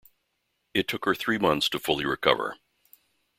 It took her three months to fully recover.